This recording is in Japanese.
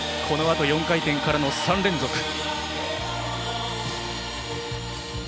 このあと４回転からの３連続。